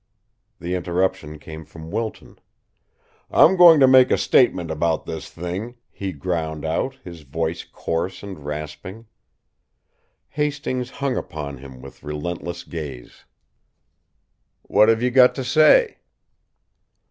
The interruption came from Wilton. "I'm going to make a statement about this thing!" he ground out, his voice coarse and rasping. Hastings hung upon him with relentless gaze. "What have you got to say?"